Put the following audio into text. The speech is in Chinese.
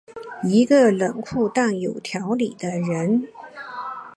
一个冷酷但有条理的人。